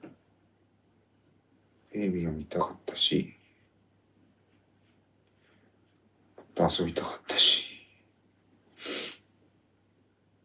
テレビが見たかったしもっと遊びたかったし。